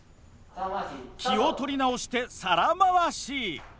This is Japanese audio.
気を取り直して皿回し。